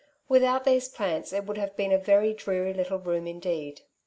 Without these plants it would have been a very dreary httle room indeed.